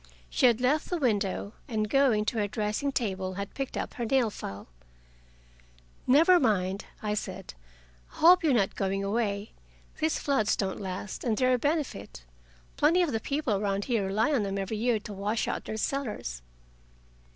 She had left the window, and going to her dressing table, had picked up her nail file. "Never mind," I said. "I hope you are not going away. These floods don't last, and they're a benefit. Plenty of the people around here rely on 'em every year to wash out their cellars."